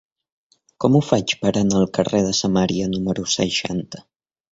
Com ho faig per anar al carrer de Samaria número seixanta?